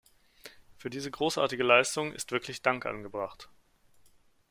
Für diese großartige Leistung ist wirklich Dank angebracht.